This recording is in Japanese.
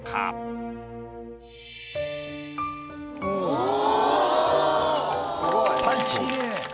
おお。